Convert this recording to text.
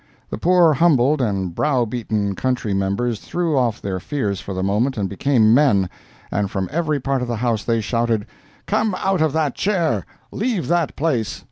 ] The poor humbled and brow beaten country members threw off their fears for the moment and became men; and from every part of the house they shouted: "Come out of that chair! leave that place!